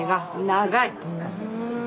長い！